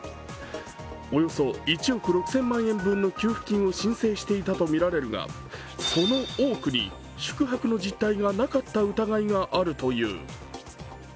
およそ１億６０００万円分の給付金を申請していたとみられるが、その多くに宿泊の実態がなかった疑いがあるという。